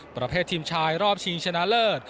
ประเภททีมชายรอบชิงชนะเลิศ